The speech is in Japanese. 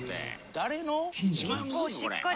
誰の？